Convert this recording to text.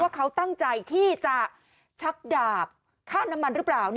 เขาตั้งใจที่จะชักดาบค่าน้ำมันหรือเปล่า